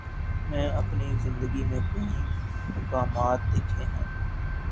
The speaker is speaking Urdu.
میں نے اپنی زندگی میں کئی مقامات دیکھے ہیں۔